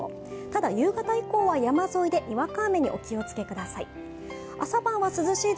ただ、夕方以降は山沿いでにわか雨にお気をつけください。